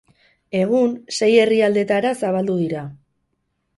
Egun sei herrialdetara zabaldu dira.